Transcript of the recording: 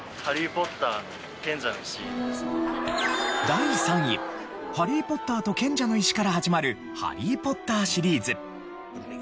第３位『ハリー・ポッターと賢者の石』から始まる『ハリー・ポッター』シリーズ。